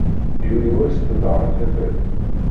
Yuli wass teḍher tafat.